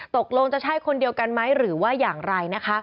ตกลงจะใช่คนเดียวกันไหมหรือว่าอย่างไรนะคะ